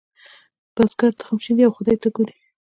بزګر تخم شیندي او خدای ته ګوري.